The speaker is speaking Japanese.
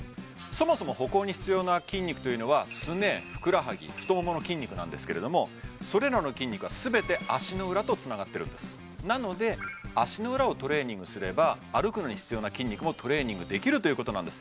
そもそも歩行に必要な筋肉というのはすねふくらはぎ太ももの筋肉なんですけれどもそれらの筋肉はすべて足の裏とつながってるんですなので足の裏をトレーニングすれば歩くのに必要な筋肉もトレーニングできるということなんです